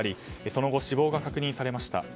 その後死亡が確認されました。